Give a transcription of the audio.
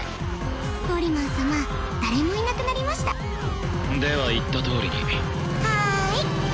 ポリマン様誰もいなくなりましたでは言ったとおりにはーい！